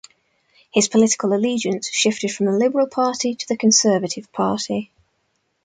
His political allegiance shifted from the Liberal Party to the Conservative Party.